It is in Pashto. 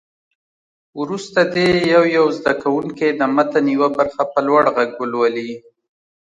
وروسته دې یو یو زده کوونکی د متن یوه برخه په لوړ غږ ولولي.